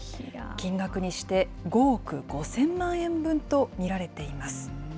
金額にして５億５０００万円分と見られています。